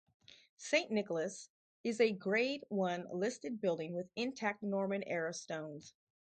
Saint Nicholas's is a Grade One listed building with intact Norman era stones.